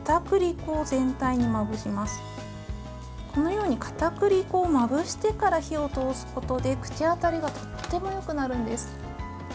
このようにかたくり粉をまぶしてから火を通すことで口当たりがとってもよくなるんです。